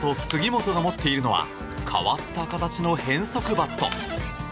杉本が持っているのは変わった形の変則バット。